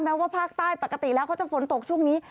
ว่าภาคใต้ปกติแล้วเขาจะฝนตกช่วงนี้